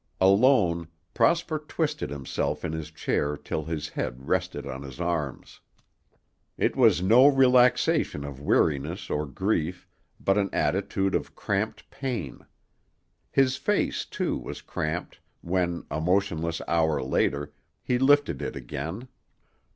Alone, Prosper twisted himself in his chair till his head rested on his arms. It was no relaxation of weariness or grief, but an attitude of cramped pain. His face, too, was cramped when, a motionless hour later, he lifted it again.